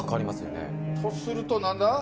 とするとなんだ？